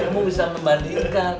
kamu bisa membandingkan